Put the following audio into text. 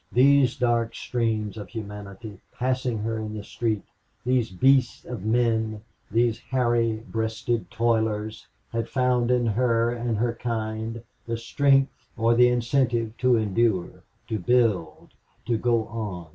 These dark streams of humanity passing her in the street, these beasts of men, these hairy breasted toilers, had found in her and her kind the strength or the incentive to endure, to build, to go on.